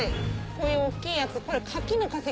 こういう大っきいやつこれ。